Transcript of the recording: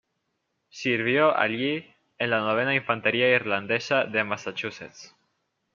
Sirvió allí en la novena infantería irlandesa de Massachusetts.